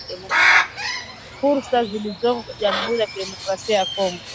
fursa zilizoko jamhuri ya kidemokrasia ya Kongo